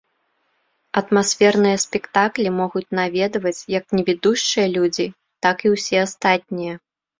Атмасферныя спектаклі могуць наведваць як невідушчыя людзі, так і ўсе астатнія.